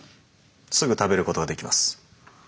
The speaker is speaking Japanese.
すぐ食べることができます。